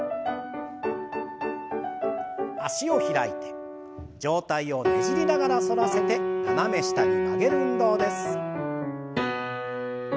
脚を開いて上体をねじりながら反らせて斜め下に曲げる運動です。